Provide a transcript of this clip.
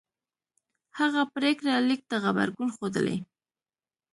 هغه پرېکړه لیک ته غبرګون ښودلی